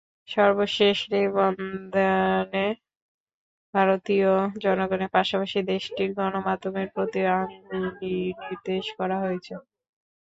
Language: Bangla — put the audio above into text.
সর্বশেষ নিবন্ধে ভারতীয় জনগণের পাশাপাশি দেশটির গণমাধ্যমের প্রতিও অঙ্গুলিনির্দেশ করা হয়েছে।